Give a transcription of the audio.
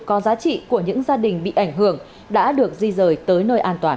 có giá trị của những gia đình bị ảnh hưởng đã được di rời tới nơi an toàn